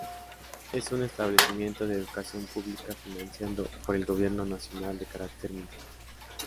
Es un establecimiento de Educación pública financiado por el Gobierno Nacional de carácter Mixto.